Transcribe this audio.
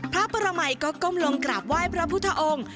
พระปรมัยก็ก้มลงกราบไหว้พระพุทธองค์